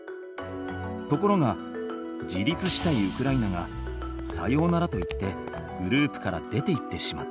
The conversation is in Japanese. ところが自立したいウクライナが「さようなら」と言ってグループから出て行ってしまった。